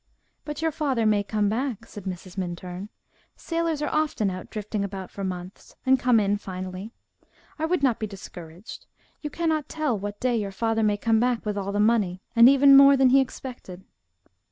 "But your father may come back," said Mrs. Minturn; "sailors are often out drifting about for months, and come in finally. I would not be discouraged you cannot tell what day your father may come back with all the money, and even more than he expected."